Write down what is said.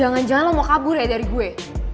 jangan jangan lo mau kabur ya dari gue